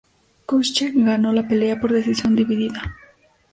Koscheck ganó la pelea por decisión dividida.